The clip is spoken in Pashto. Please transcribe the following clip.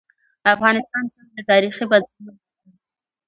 افغانستان تل د تاریخي بدلونونو مرکز و.